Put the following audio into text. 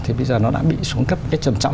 thì bây giờ nó đã bị xuống cấp một cái trầm trọng